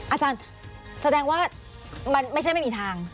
อาจารย์แสดงว่ามันไม่ใช่ไม่มีทาง